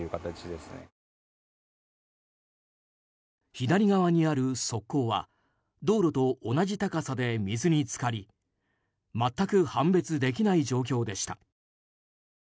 左側にある側溝は道路と同じ高さで水に浸かり全く判別できない状況でした。